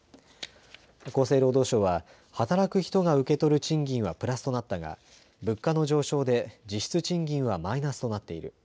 厚生労働省は、働く人が受け取る賃金はプラスとなったが物価の上昇で実質賃金はマイナスとなっている。